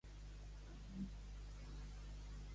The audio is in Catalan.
Qui era Mavi Dolç i Gastaldo?